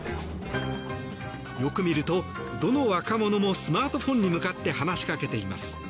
よく見ると、どの若者もスマートフォンに向かって話しかけています。